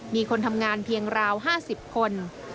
มีคนทำงานเพียงราว๕๐คน